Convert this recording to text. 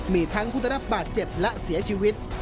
มีทั้งคุณต้องรับปาดเจ็บและเสียชีวิต